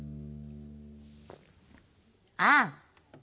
ああ！